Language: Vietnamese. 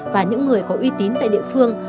và những người có uy tín tại địa phương